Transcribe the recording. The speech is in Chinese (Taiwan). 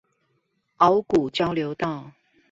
鰲鼓交流道